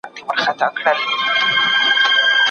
انارګل ته د خپل پلار لخوا د واده بشپړ واک ورکړل شوی و.